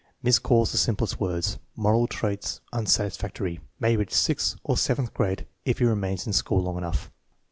"Miscalls the simplest, words." Moral traits unsatisfactory. May reach sixth or seventh grade if he remains in sch<x>l long enough.